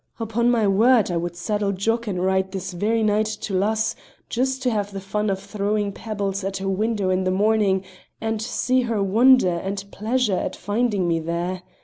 Upon my word, I could saddle Jock and ride this very night to Luss, just to have the fun of throwing pebbles at her window in the morning, and see her wonder and pleasure at finding me there.